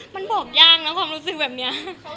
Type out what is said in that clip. มันบอกยากนะความรู้สึกแบบนี้